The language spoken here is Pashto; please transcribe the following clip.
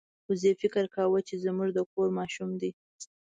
وزې فکر کاوه چې زموږ د کور ماشوم دی.